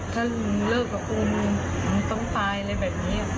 ถ้าหนูเลิกกับครูหนูต้องตายอะไรแบบนี้